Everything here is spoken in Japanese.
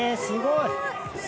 すごい。